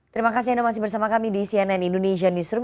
terima kasih anda masih bersama kami di cnn indonesia newsroom